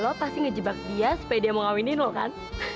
lo pasti ngejebak dia supaya dia mau ngawinin lo kan